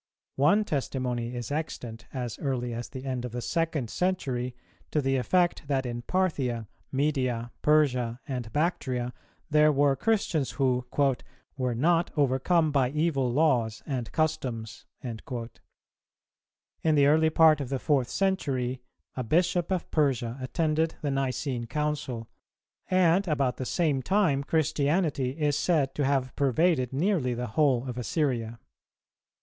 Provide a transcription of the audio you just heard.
One testimony is extant as early as the end of the second century, to the effect that in Parthia, Media, Persia, and Bactria there were Christians who "were not overcome by evil laws and customs."[292:2] In the early part of the fourth century, a bishop of Persia attended the Nicene Council, and about the same time Christianity is said to have pervaded nearly the whole of Assyria.